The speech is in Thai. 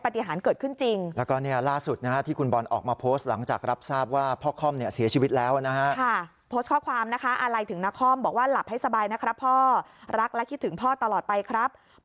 ที่คุณบอลกอดนักคล่อมนะคะ